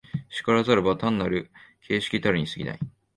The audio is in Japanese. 然らざれば単なる形式たるに過ぎない。